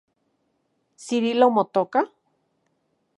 ¿Cirilo motoka?